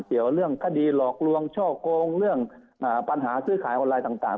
เกี่ยวเรื่องคดีหลอกลวงช่อโกงเรื่องปัญหาซื้อขายออนไลน์ต่าง